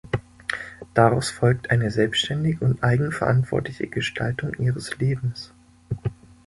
Daraus folgt eine selbständige und eigenverantwortliche Gestaltung ihres Lebens.